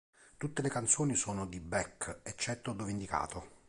Tutte le canzoni sono di Beck, eccetto dove indicato.